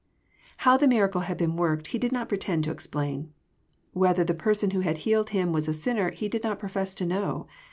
How the miracle had been worked, he did not pretend to explain. Whether the person who had healed him was a sinner, he did not profess to know.